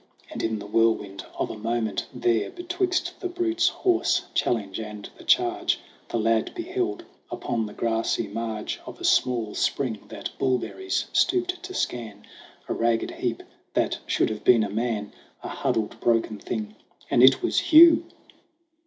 And in the whirlwind of a moment there, Betwixt the brute's hoarse challenge and the charge, The lad beheld, upon the grassy marge Of a small spring that bullberries stooped to scan, A ragged heap that should have been a man, A huddled, broken thing and it was Hugh